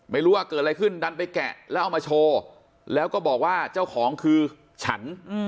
ไม่รู้ว่าเกิดอะไรขึ้นดันไปแกะแล้วเอามาโชว์แล้วก็บอกว่าเจ้าของคือฉัน